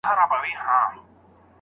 هغه اوږده پاڼه ډنډ ته یووړه.